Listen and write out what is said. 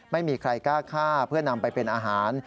ไม่มีใครกล้าฆ่าเพื่อนำไปเป็นอาหาร